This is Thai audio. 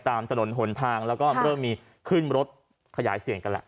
ตามถนนหนทางแล้วก็เริ่มมีขึ้นรถขยายเสียงกันแหละ